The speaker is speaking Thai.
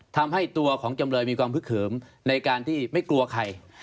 ทำให้ตัวของจำเลยมีความพึกเขิมในการที่ไม่กลัวใคร